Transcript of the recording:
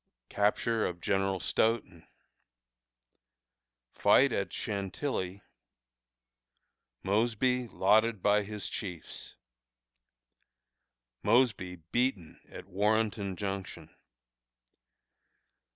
Capture of General Stoughton. Fight at Chantilly. Mosby lauded by His Chiefs. Mosby beaten at Warrenton Junction.